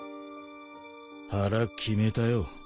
腹決めたよ。